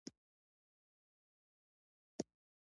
د غازي صاحب جان خان تره کې کیسه یې راته وکړه.